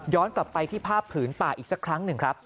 กลับไปที่ภาพผืนป่าอีกสักครั้งหนึ่งครับ